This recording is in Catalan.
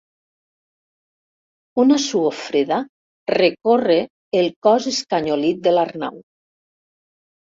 Una suor freda recorre el cos escanyolit de l'Arnau.